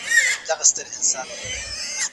حکومت سرحدي شخړه نه پیلوي.